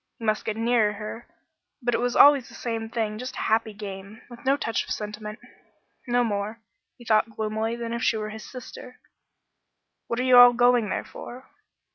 He must get nearer her, but it was always the same thing; just a happy game, with no touch of sentiment no more, he thought gloomily, than if she were his sister. "What are you all going there for?"